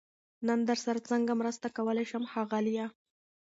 نن درسره سنګه مرسته کولای شم ښاغليه🤗